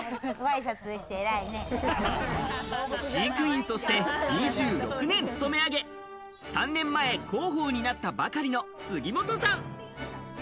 飼育員として２６年勤め上げ、３年前、広報になったばかりの杉本さん。